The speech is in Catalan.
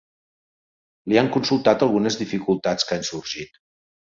Li han consultat algunes dificultats que han sorgit.